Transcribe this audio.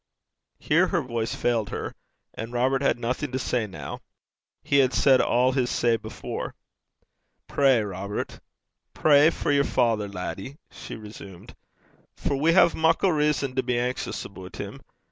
Here her voice failed her. And Robert had nothing to say now. He had said all his say before. 'Pray, Robert, pray for yer father, laddie,' she resumed; 'for we hae muckle rizzon to be anxious aboot 'im.